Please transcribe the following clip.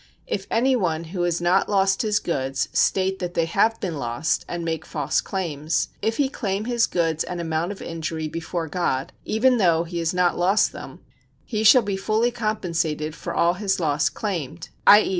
If any one who has not lost his goods, state that they have been lost, and make false claims: if he claim his goods and amount of injury before God, even though he has not lost them, he shall be fully compensated for all his loss claimed [_i.e.